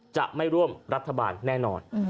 จะไม่ร่วมรัฐบาลแน่นอน